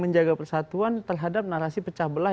menjaga persatuan terhadap narasi pecah belah